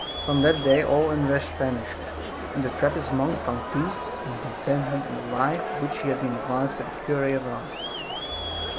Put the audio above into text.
From that day all unrest vanished and the Trappist monk found peace and contentment in the life to which he had been advised by the cure of Ars.